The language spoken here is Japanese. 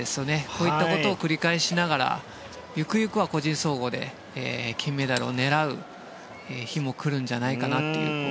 こういったことを繰り返しながら行く行くは個人総合で金メダルを狙う日も来るんじゃないかなという。